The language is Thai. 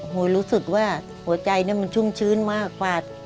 รู้สึกว่าหัวใจมันชุ่มชื้นมากกว่า